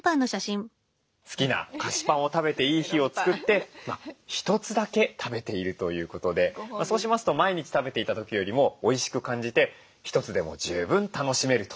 好きな菓子パンを食べていい日を作って１つだけ食べているということでそうしますと毎日食べていた時よりもおいしく感じて１つでも十分楽しめるということでした。